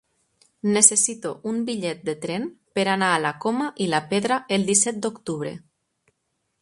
Necessito un bitllet de tren per anar a la Coma i la Pedra el disset d'octubre.